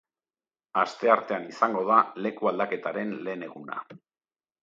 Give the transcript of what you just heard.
Asteartean izango da lekualdaketaren lehen eguna.